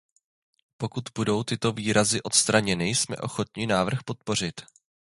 Pokud budou tyto výrazy odstraněny, jsme ochotní návrh podpořit.